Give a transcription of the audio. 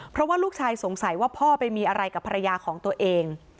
เพราะว่าลูกชายสงสัยว่าพ่อไปมีอะไรกับภรรยาของตัวเอง